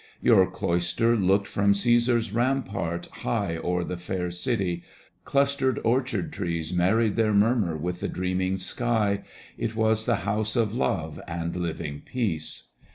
Your cloister looked from Caesar's rampart, high O'er the fair city : clustered orchard trees Married their murmur with the dreaming sky. It was the house of love and living peace.